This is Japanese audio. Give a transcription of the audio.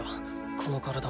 この体。